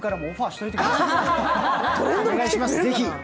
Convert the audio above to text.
お願いします、ぜひ。